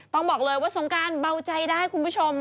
ต้องบอกเลยว่าสงการเบาใจได้คุณผู้ชม